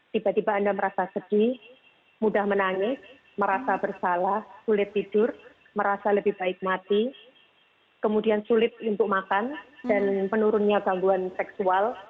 tiba tiba anda merasa sedih mudah menangis merasa bersalah sulit tidur merasa lebih baik mati kemudian sulit untuk makan dan penurunnya gangguan seksual